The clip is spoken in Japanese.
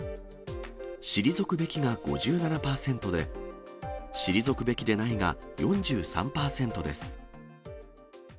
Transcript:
退くべきが５７％で、退くべきでないが４３％です。